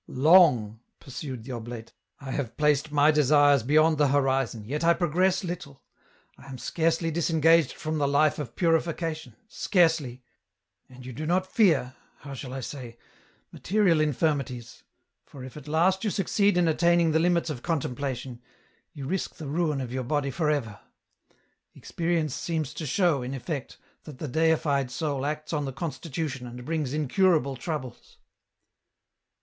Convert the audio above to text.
"Long," pursued the oblate,"! have placed my desires beyond the horizon, yet I progress little ; I am scarcely disengaged from the life of Purification, scarcely ..." "And you do not fear — how shall I say — material infirmities, for if at last you succeed in attaining the limits of contemplation, you risk the ruin of your body for ever. Experience seems to show, in effect, that the deified soul acts on the constitution and brings incurable troubles."